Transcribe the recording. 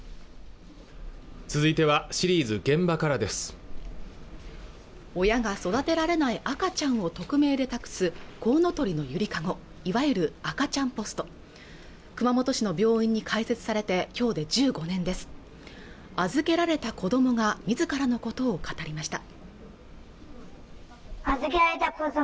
続いてはシリーズ「現場から」です親が育てられない赤ちゃんを匿名で託すこうのとりのゆりかごいわゆる赤ちゃんポスト熊本市の病院に開設されてきょうで１５年です預けられた子どもが自らのことを語りました